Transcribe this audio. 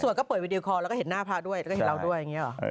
สวดก็เปิดวิดีโอคอร์แล้วก็เห็นหน้าพระด้วยแล้วก็เห็นเราด้วย